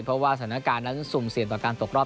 เพราะว่าสถานการณ์นั้นสุ่มเสี่ยงต่อการตกรอบ